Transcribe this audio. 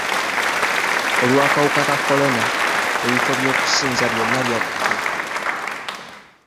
Olw'akawuka ka kolona, ebifo by'okusinza byonna by'aggalwa.